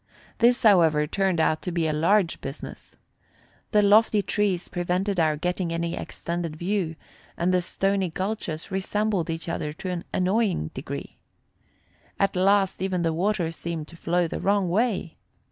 This, however, turned out to be a large business. The lofty trees prevented our getting any extended view, and the stony gulches resembled each other to an annoying degree. At last even the water seemed to flow the wrong way.